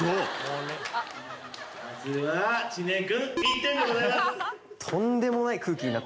まずは知念君１点でございます。